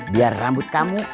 biar rambut kamu